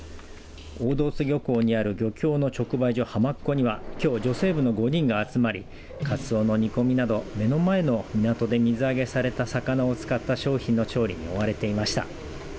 大堂津漁港にある漁協の直売所はまっこにはきょう女性部の５人が集まりカツオの煮込みなど目の前の港で水揚げされた魚を使った商品の調理に追われていました。